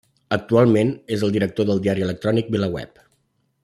Actualment, és el director del diari electrònic VilaWeb.